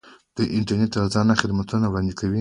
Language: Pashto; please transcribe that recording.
دوی د انټرنیټ ارزانه خدمتونه وړاندې کوي.